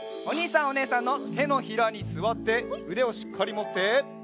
おにいさんおねえさんのてのひらにすわってうでをしっかりもって。